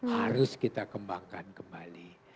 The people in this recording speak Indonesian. harus kita kembangkan kembali